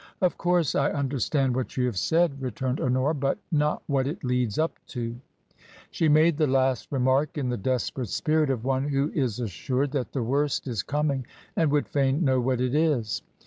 "Of course I understand what you have said," re turned Honora, " but not what it leads up toP She made the last remark in the desperate spirit of one who is assured that the worst is coming, and would fain know what it is.